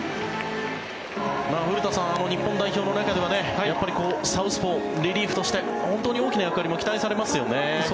古田さん、日本代表の中ではやっぱりサウスポーリリーフとして本当に大きな役割も期待されますよね。